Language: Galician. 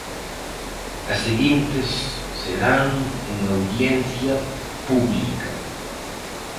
As seguintes serán en audiencia pública.